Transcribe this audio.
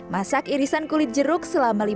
masak irisan kulit jeruk menjadi kecil berbentuk panjang